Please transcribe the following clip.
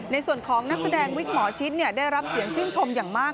ในส่วนของนักแสดงวิกหมอชิดได้รับเสียงชื่นชมอย่างมาก